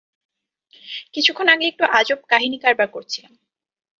কিছুক্ষণ আগে একটু আজব কাহিনী কারবার করছিলাম।